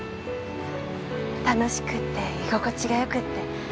楽しくって居心地がよくって。